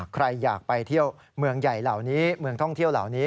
ใครอยากไปเที่ยวเมืองใหญ่เหล่านี้เมืองท่องเที่ยวเหล่านี้